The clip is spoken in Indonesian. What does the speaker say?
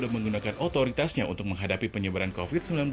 menggunakan otoritasnya untuk menghadapi penyebaran covid sembilan belas